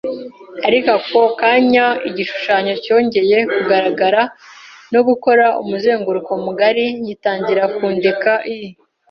Ako kanya igishushanyo cyongeye kugaragara, no gukora umuzenguruko mugari, gitangira kundeka. I.